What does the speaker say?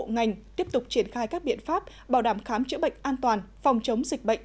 ngành tiếp tục triển khai các biện pháp bảo đảm khám chữa bệnh an toàn phòng chống dịch bệnh